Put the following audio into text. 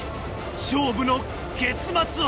勝負の結末は！？